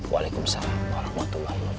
waalaikumsalam para matulahi wabarakatuh